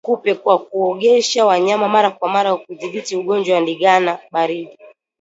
Kudhibiti kupe kwa kuogesha wanyama mara kwa mara hudhibiti ugonjwa wa ndigana baridi